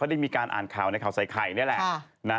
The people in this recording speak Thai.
เขาได้มีการอ่านข่าวในข่าวใส่ไข่เนี่ยแหละค่ะนะ